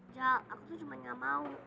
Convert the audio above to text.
ja aku tuh cuma gak mau